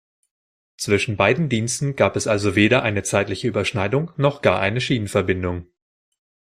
Zwischen beiden Diensten gab es also weder eine zeitliche Überschneidung noch gar eine Schienenverbindung.